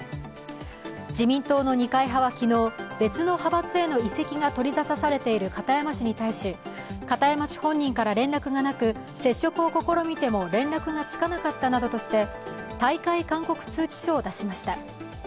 自民党の二階派は昨日、別の派閥への移籍が取り沙汰されている、片山氏に対し片山氏本人から連絡がなく接触を試みても連絡がつかなかったなどとして退会勧告通知書を出しました。